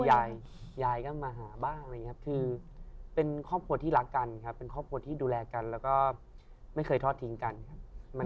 ยายยายก็มาหาบ้างอะไรอย่างนี้ครับคือเป็นครอบครัวที่รักกันครับเป็นครอบครัวที่ดูแลกันแล้วก็ไม่เคยทอดทิ้งกันครับ